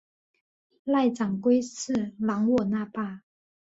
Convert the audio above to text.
濑长龟次郎我那霸。